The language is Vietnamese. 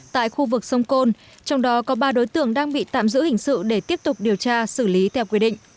tại khu vực sông côn trong đó có ba đối tượng đang bị tạm giữ hình sự để tiếp tục điều tra xử lý theo quy định